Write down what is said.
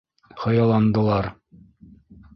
Хыялландылар.